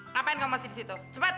ngapain kamu masih di situ cepat